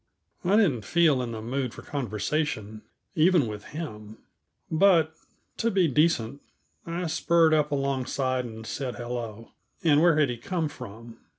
I didn't feel in the mood for conversation, even with him; but, to be decent, I spurred up alongside and said hello, and where had he come from?